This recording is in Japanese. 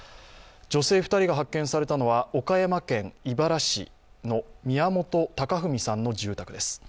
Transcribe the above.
女性２人が発見されたのは岡山県井原市の宮本隆文さんの住宅です。